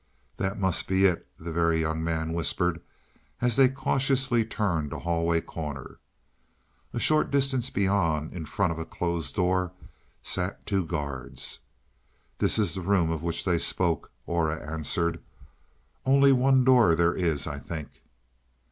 "That must be it," the Very Young Man whispered, as they cautiously turned a hallway corner. A short distance beyond, in front of a closed door, sat two guards. "That is the room of which they spoke," Aura answered. "Only one door there is, I think."